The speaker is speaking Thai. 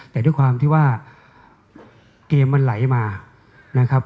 แต่ด้วยความที่ว่าเกมมันไหลมานะครับ